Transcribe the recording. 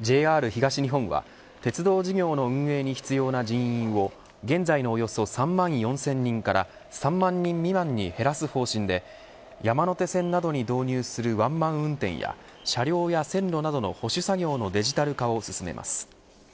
ＪＲ東日本は鉄道事業の運営に必要な人員を現在のおよそ３万４０００人から３万人未満に減らす方針で山手線などに導入するワンマン運転や車両や線路などの保守作業のデジタル化を進めます。